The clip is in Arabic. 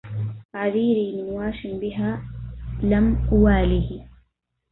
عذيري من واش بها لم أواله